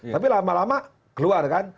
tapi lama lama keluar kan